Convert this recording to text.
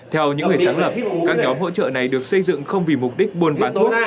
theo những người sáng lập các nhóm hỗ trợ này được xây dựng không vì mục đích buôn bán thuốc